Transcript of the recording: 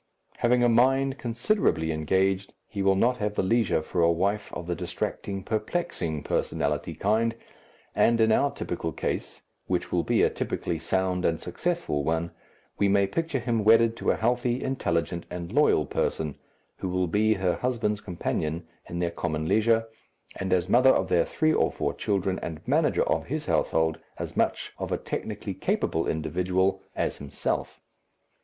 Having a mind considerably engaged, he will not have the leisure for a wife of the distracting, perplexing personality kind, and in our typical case, which will be a typically sound and successful one, we may picture him wedded to a healthy, intelligent, and loyal person, who will be her husband's companion in their common leisure, and as mother of their three or four children and manager of his household, as much of a technically capable individual as himself.